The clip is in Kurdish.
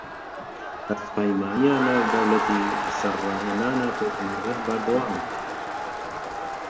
Hevpeymaniya Navdewletî li ser rahênana Pêşmerge berdewam e.